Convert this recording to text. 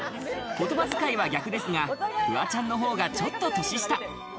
言葉使いは逆ですが、フワちゃんの方がちょっと年下。